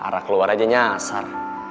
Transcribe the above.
arah keluar aja nyasar